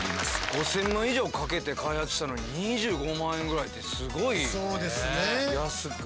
５，０００万以上かけて開発したのに２５万円ぐらいてすごい安く。